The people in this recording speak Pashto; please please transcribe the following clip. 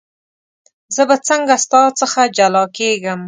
زه به څنګه ستا څخه جلا کېږم.